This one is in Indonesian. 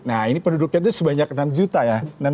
nah ini penduduknya itu sebanyak enam juta ya